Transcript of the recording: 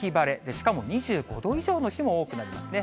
しかも２５度以上の日も多くなるんですね。